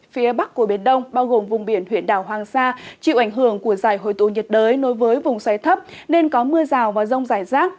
phía bắc của biển đông bao gồm vùng biển huyện đảo hoàng sa chịu ảnh hưởng của giải hồi tụ nhiệt đới nối với vùng xoay thấp nên có mưa rào và rông rải rác